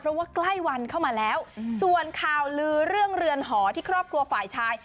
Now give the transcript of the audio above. เพราะว่าใกล้วันเข้ามาแล้วส่วนข่าวลือเรื่องเรือนหอที่ครอบครัวฝ่ายชาย